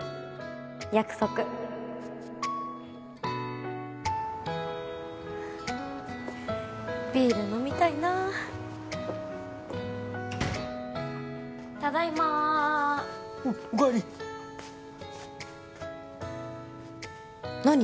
約束ビール飲みたいなただいまおっお帰り何？